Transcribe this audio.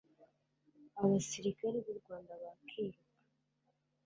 abasirikari b'u Rwanda bakiruka